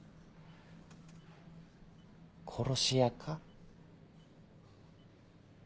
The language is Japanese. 殺し屋か？